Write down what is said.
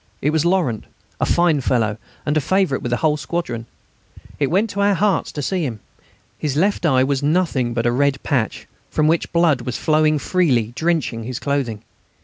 It was Laurent, a fine fellow, and a favourite with the whole squadron. It went to our hearts to see him. His left eye was nothing but a red patch, from which blood was flowing freely, drenching his clothing.